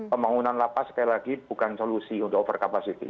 pembangunan lapas sekali lagi bukan solusi untuk over capacity